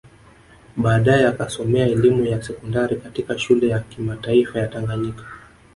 Baadae akasomea elimu ya sekondari katika Shule ya Kimataifa ya Tanganyika